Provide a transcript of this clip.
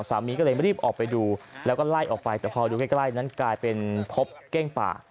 สามีก็เลยรีบออกไปดูแล้วก็ไล่ออกไปแต่พอดูใกล้นั้นกลายเป็นพบเก้งป่า